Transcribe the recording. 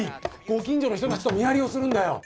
ご近所の人たちと見張りをするんだよ。